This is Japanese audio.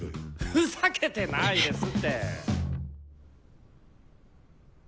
ふざけてないですって。